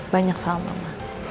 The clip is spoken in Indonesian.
banyak sama mama